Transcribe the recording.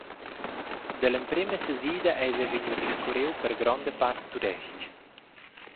Dall’emprema sesida eis ei vegniu discurriu per gronda part tudestg.